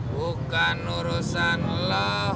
bukan urusan lo